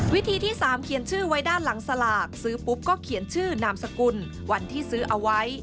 วิธีที่๓เขียนชื่อไว้ด้านหลังสลากซื้อปุ๊บก็เขียนชื่อนามสกุลวันที่ซื้อเอาไว้